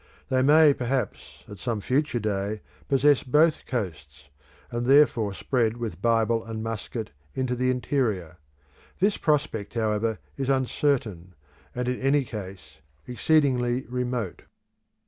They may perhaps at some future day possess both coasts, and thence spread with Bible and musket into the interior. This prospect, however, is uncertain, and in any case exceedingly remote.